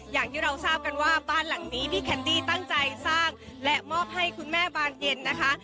อย่างที่เราทราบกันว่าบ้านหลังนี้พี่แคนดี้ตั้งใจสร้างและมอบให้คุณแม่บานเย็นนะคะ